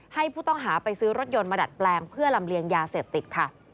ให้ผู้ต้องหาไปซื้อรถยนต์มาดัดแปลงเพื่อลำเลียงยาเสพติดค่ะ